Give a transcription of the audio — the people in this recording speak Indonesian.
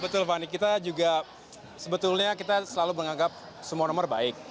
betul fani kita juga sebetulnya kita selalu menganggap semua nomor baik